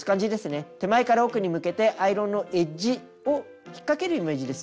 手前から奥に向けてアイロンのエッジを引っ掛けるイメージです